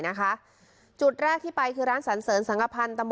สังฆาธารหรือผ้าไตรจำหน่ายสังฆาธารหรือผ้าไตรจำหน่าย